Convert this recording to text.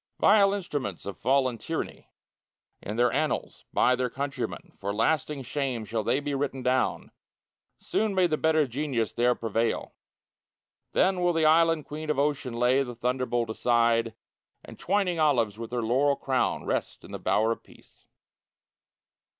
Vile instruments of fallen Tyranny In their own annals, by their countrymen. For lasting shame shall they be written down. Soon may the better Genius there prevail! Then will the Island Queen of Ocean lay The thunderbolt aside, And, twining olives with her laurel crown, Rest in the Bower of Peace.